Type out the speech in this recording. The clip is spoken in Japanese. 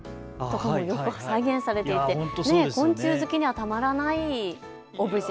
よく再現されていて、昆虫好きにはたまらないオブジェ。